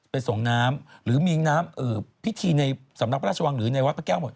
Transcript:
ส่งน้ำหรือมีน้ำพิธีในสำนักพระราชวังหรือในวัดพระแก้วหมด